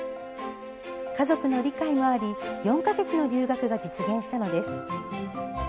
家族の理解もあり４か月の留学が実現したのです。